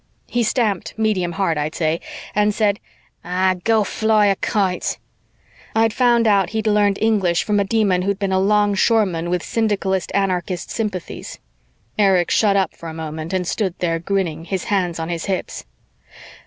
He stamped medium hard, I'd say and said, "Ahh, go flya kite." I'd found out he'd learned English from a Demon who'd been a longshoreman with syndicalist anarchist sympathies. Erich shut up for a moment and stood there grinning, his hands on his hips.